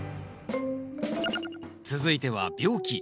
続いては病気。